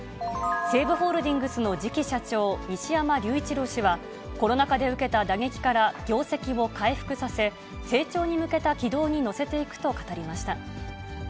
西武ホールディングスの次期社長、西山隆一郎氏は、コロナ禍で受けた打撃から業績を回復させ、成長に向けた軌道に乗せていくと語りました。